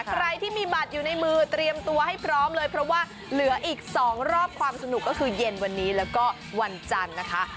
ใครที่มีบัตรอยู่ในมือเตรียมตัวให้พร้อมเลยเพราะว่าเหลืออีก๒รอบความสนุกก็คือเย็นวันนี้แล้วก็วันจันทร์นะคะ